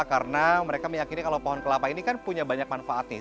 karena mereka meyakini kalau pohon kelapa ini kan punya banyak manfaat nih